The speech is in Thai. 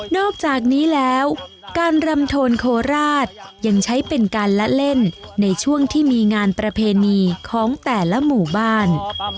อกจากนี้แล้วการรำโทนโคราชยังใช้เป็นการละเล่นในช่วงที่มีงานประเพณีของแต่ละหมู่บ้าน